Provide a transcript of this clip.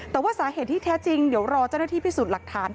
แต่ว่าสาเหตุที่แท้จริงเดี๋ยวรอเจ้าหน้าที่พิสูจน์หลักฐาน